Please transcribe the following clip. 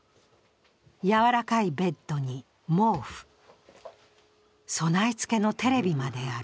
やわらかいベッドに毛布、備え付けのテレビまである。